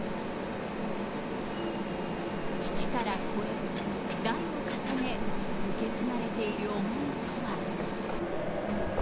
父から子へ代を重ね受け継がれている思いとは。